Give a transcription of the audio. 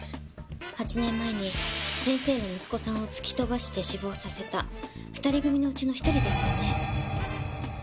８年前に先生の息子さんを突き飛ばして死亡させた２人組のうちの一人ですよね？